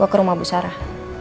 ke rumah bu sarah